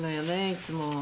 いつも。